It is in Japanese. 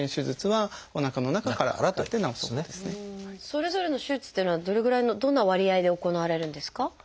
それぞれの手術というのはどれぐらいのどんな割合で行われるんですか？